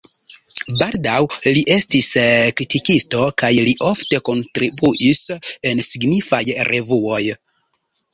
Baldaŭ li estis kritikisto kaj li ofte kontribuis en signifaj revuoj.